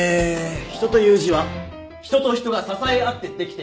「人」という字は人と人が支え合ってできている。